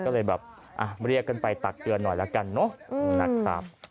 ก็เลยแบบเรียกกันไปตักเตือนหน่อยแล้วกันเนอะนะครับ